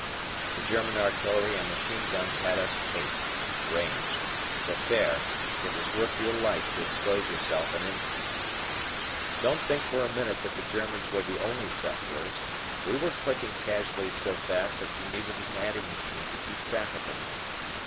The German artillery and machine guns had us taped (ranged) for fair; it was worth your life to expose yourself an instant. Don't think for a minute that the Germans were the only sufferers, we were clicking casualties so fast that you needed an adding machine to keep track of them.